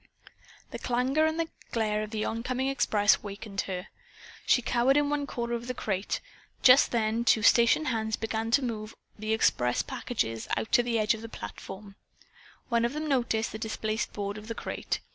The clangor and glare of the oncoming express awakened her. She cowered in one corner of the crate. Just then two station hands began to move the express packages out to the edge of the platform. One of them noticed the displaced board of the crate.